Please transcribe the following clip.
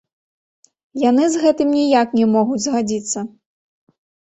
Яны з гэтым ніяк не могуць згадзіцца.